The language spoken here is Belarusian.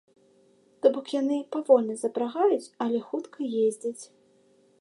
То бок яны павольна запрагаюць, але хутка ездзяць.